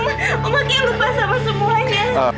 oma kayak lupa sama semuanya